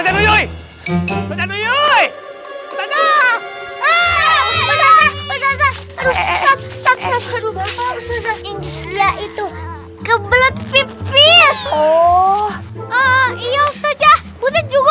kebelet pipis oh iya ustazah